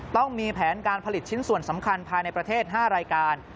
ต้องมีแผนการผลิตชิ้นส่วนสำคัญภายในประเทศ๕รายการ